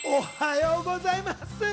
おはようございます。